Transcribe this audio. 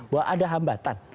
bahwa ada hambatan